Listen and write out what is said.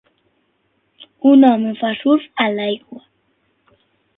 Un home fa surf a l'aigua.